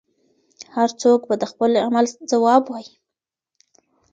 هر څوک به د خپل عمل ځواب وايي.